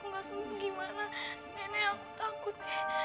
nenek aku takut